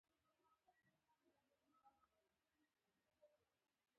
د روڼا په لټون تلمه